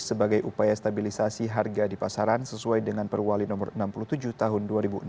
sebagai upaya stabilisasi harga di pasaran sesuai dengan perwali no enam puluh tujuh tahun dua ribu enam belas